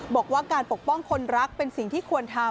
บอกว่าการปกป้องคนรักเป็นสิ่งที่ควรทำ